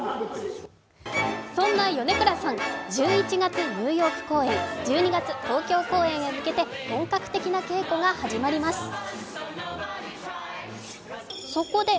そんな米倉さん、１１月ニューヨーク公演、１２月東京公演へ向けて本格的な稽古が始まります。